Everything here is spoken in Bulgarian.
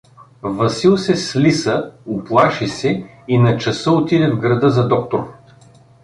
Васил се слиса, уплаши се и на часа отиде в града за доктор.